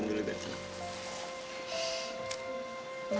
ini minum dulu biar senang